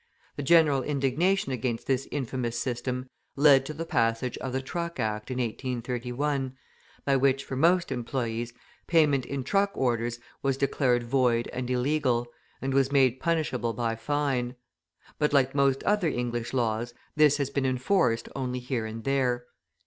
The general indignation against this infamous system led to the passage of the Truck Act in 1831, by which, for most employees, payment in truck orders was declared void and illegal, and was made punishable by fine; but, like most other English laws, this has been enforced only here and there.